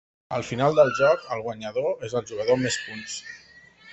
Al final del joc el guanyador és el jugador amb més punts.